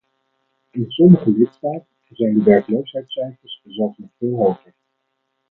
In sommige lidstaten zijn de werkloosheidscijfers zelfs nog veel hoger.